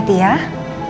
nggak ada masalah